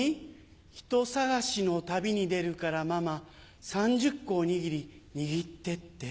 「人探しの旅に出るからママ３０個おにぎり握って」って？